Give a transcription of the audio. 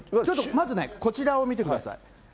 まずね、こちらを見てください。